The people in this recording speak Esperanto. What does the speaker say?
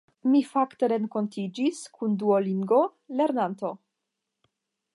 Mi fakte renkontiĝis kun Duolingo-lernantoj